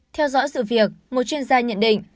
theo dõi sự việc một chuyên gia nhận định